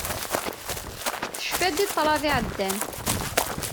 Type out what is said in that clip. Tecfa-d i ṭṭrad iɛeddan.